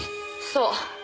そう。